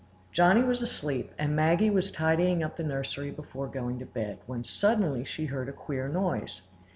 Johnny was asleep, and Maggie was tidying up the nursery before going to bed, when suddenly she heard a queer noise.